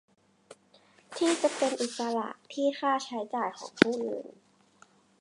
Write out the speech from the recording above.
ที่จะเป็นอิสระที่ค่าใช้จ่ายของผู้อื่น